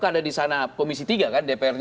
ada di sana komisi tiga kan